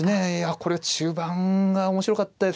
これ中盤が面白かったですね。